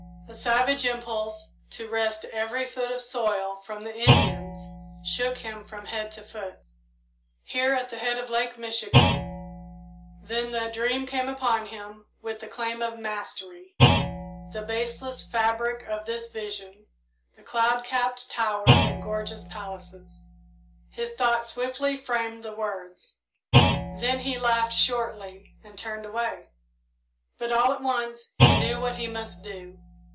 A savage impulse to wrest every foot of soil from the Indians shook him from head to foot. Here, at the head of Lake Michigan then the dream came upon him with the claim of mastery. "The baseless fabric of this vision.... The cloud capped towers and gorgeous palaces...." His thought swiftly framed the words, then he laughed shortly, and turned away. But, all at once, he knew what he must do.